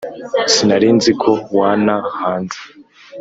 Sinari nziko wanta hanze